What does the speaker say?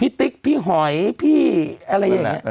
ติ๊กพี่หอยพี่อะไรอย่างนี้